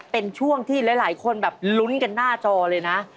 เป็นช่วงที่หลายคนแบบลุ้นกันหน้าจอเลยนะ